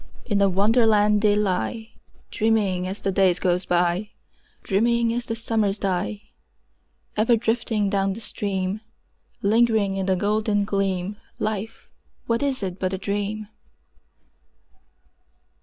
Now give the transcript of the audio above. In a Wonderland they lie, Dreaming as the days go by, Dreaming as the summers die: Ever drifting down the stream— Lingering in the golden gleam— Life, what is it but a dream?